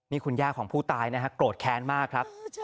นี่คุณย่าของผู้ตายนะครับโกรธแค้นมากครับ